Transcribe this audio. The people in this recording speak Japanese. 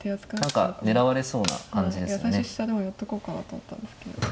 はい最初飛車でも寄っとこうかなと思ったんですけど。